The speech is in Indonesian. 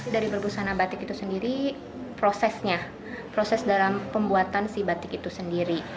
dari berbusana batik itu sendiri prosesnya proses dalam pembuatan si batik itu sendiri